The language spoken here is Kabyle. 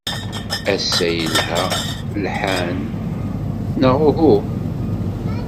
Ass-a yelha lḥan, neɣ uhu?